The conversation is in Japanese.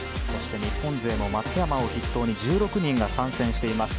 日本勢も松山を筆頭に１６人が参戦しています。